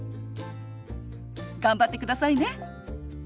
頑張ってくださいね。